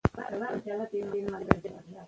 ماسوم ته پاملرنه د هغه راتلونکی جوړوي.